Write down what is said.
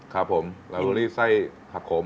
ครับผมลาเบอรี่ไส้ผักขม